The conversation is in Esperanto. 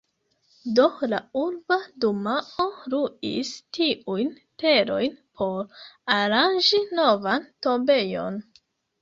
Do la Urba Dumao luis tiujn terojn por aranĝi novan tombejon.